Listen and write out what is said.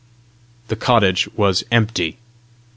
The cottage was empty.